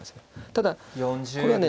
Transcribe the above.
ただこれはね